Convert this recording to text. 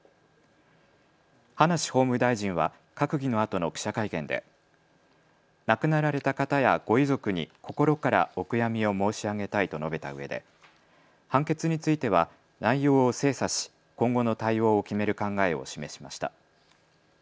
葉梨法務大臣は閣議のあとの記者会見で亡くなられた方やご遺族に心からお悔やみを申し上げたいと述べたうえで判決については内容を精査し今後の対応を決める考えを示しました。